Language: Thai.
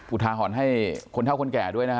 อุทาหรณ์ให้คนเท่าคนแก่ด้วยนะฮะ